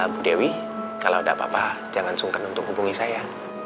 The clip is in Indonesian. bu dewi kalau ada apa apa jangan sungkan untuk hubungi saya